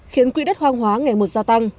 khiến quỹ đất hoang hóa ngày một gia tăng